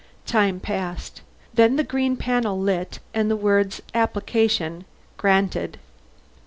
Time passed. Then the green panel lit, and the words, APPLICATION GRANTED.